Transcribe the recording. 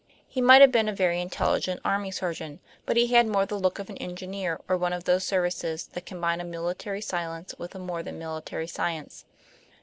He might have been a very intelligent army surgeon, but he had more the look of an engineer or one of those services that combine a military silence with a more than military science.